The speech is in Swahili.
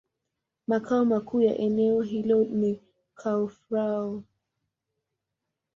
Makao makuu ya eneo hilo ni Koun-Fao.